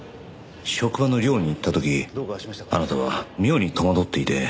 職場の寮に行った時あなたは妙に戸惑っていて。